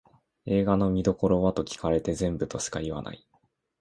映画の見どころはと聞かれて全部としか言わない